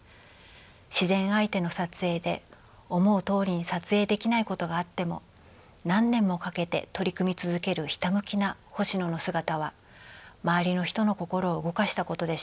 自然相手の撮影で思うとおりに撮影できないことがあっても何年もかけて取り組み続けるひたむきな星野の姿は周りの人の心を動かしたことでしょう。